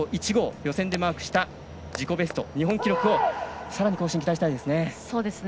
予選でマークした自己ベスト日本記録の更新期待したいですね。